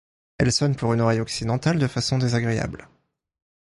Elle sonne pour une oreille occidentale de façon désagréable.